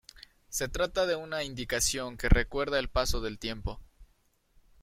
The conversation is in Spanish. Se trata de una indicación que recuerda el paso del tiempo.